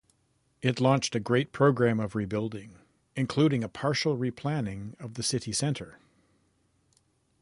It launched a great program of rebuilding, including a partial replanning of the city-center.